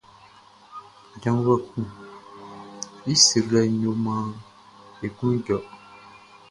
Djavuɛ kun i srilɛʼn yo maan e klun jɔ.